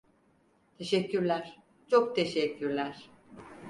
Teşekkürler, çok teşekkürler.